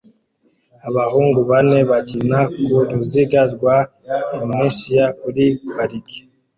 Abahungu bane bakina ku ruziga rwa inertia kuri parike